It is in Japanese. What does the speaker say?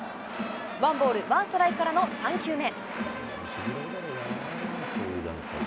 ワンボールワンストライクからの３球目。